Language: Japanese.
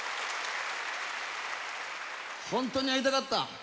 本当に会いたかった。